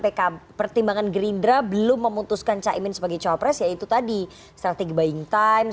pkb pertimbangan gerindra belum memutuskan caimin sebagai cowok pres yaitu tadi strategi buying time